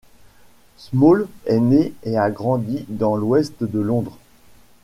Small est née et a grandi dans l'ouest de Londres.